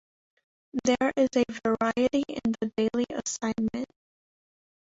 There is a variety in the daily assignment.